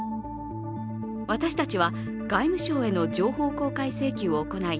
私たちは、外務省への情報公開請求を行い